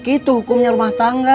itu hukumnya rumah tangga